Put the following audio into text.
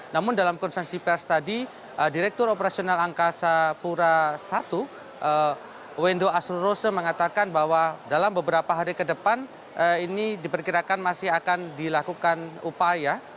namun dalam konferensi pers tadi direktur operasional angkasa pura i wendo asrurose mengatakan bahwa dalam beberapa hari ke depan ini diperkirakan masih akan dilakukan upaya